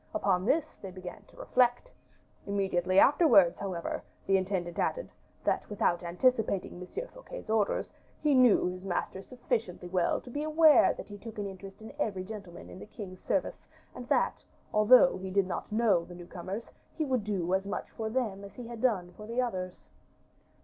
Upon this they began to reflect. Immediately afterwards, however, the intendant added, that without anticipating M. Fouquet's orders, he knew his master sufficiently well to be aware that he took an interest in every gentleman in the king's service, and that, although he did not know the new comers, he would do as much for them as he had done for the others."